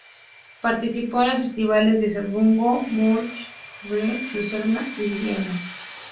Participó en los festivales de Salzburgo, Múnich, Edimburgo, Lucerna y Viena.